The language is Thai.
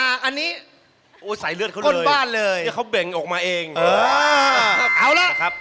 อันนั้นลูกสิทธิ์